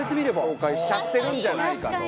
紹介しちゃってるんじゃないかと。